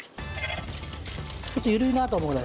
ちょっと緩いなと思うぐらい。